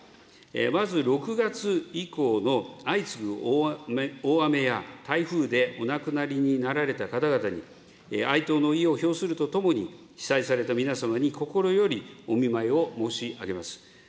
まず６月以降の相次ぐ大雨や台風でお亡くなりになられた方々に哀悼の意を表するとともに、被災された皆様に心よりお見舞いを申し上げます。